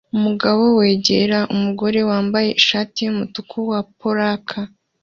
Umugabo wegera umugore wambaye ishati yumutuku wa polka